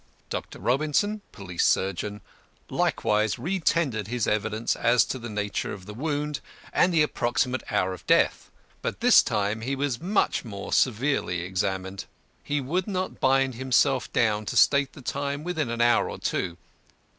Dr. ROBINSON, police surgeon, likewise retendered his evidence as to the nature of the wound, and the approximate hour of death. But this time he was much more severely examined. He would not bind himself down to state the time within an hour or two.